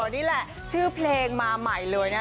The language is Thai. นี่แหละชื่อเพลงมาใหม่เลยนะ